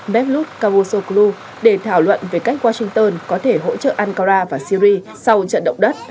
mevlut cavusoglu để thảo luận về cách washington có thể hỗ trợ ankara và syria sau trận động đất